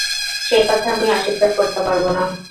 সে কথা আমি অস্বীকার করতে পারব না।